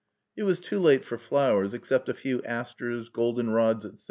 It was too late for flowers, except a few asters, goldenrods, etc.